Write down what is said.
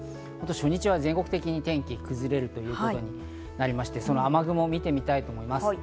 初日は全国的に天気が崩れるということになりまして、雨雲を見てみたいと思います。